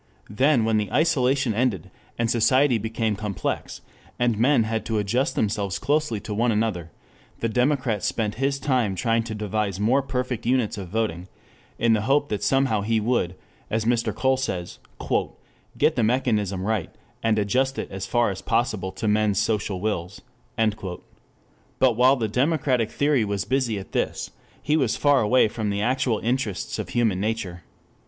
Then when the isolation ended, and society became complex, and men had to adjust themselves closely to one another, the democrat spent his time trying to devise more perfect units of voting, in the hope that somehow he would, as Mr. Cole says, "get the mechanism right, and adjust it as far as possible to men's social wills." But while the democratic theorist was busy at this, he was far away from the actual interests of human nature.